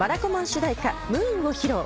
主題歌『Ｍｏｏｎ』を披露。